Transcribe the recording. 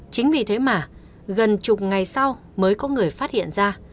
chính vì thế mà gần chục ngày sau mới có người phát hiện ra